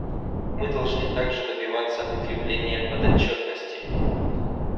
Мы должны также добиваться укрепления подотчетности.